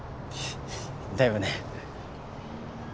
だよね。